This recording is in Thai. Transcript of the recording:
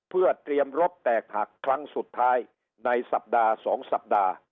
เพื่อเตรียมรถแตกหักครั้งสุดท้ายในสัปดาห์๒สัปดาห์